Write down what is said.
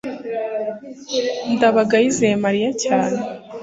ndabaga yizeye mariya cyane